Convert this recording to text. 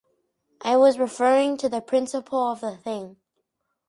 I was referring to the principle of the thing.